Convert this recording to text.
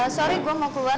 sorry gue mau keluar